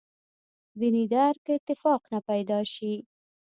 دیني درک اتفاق نه پیدا شي.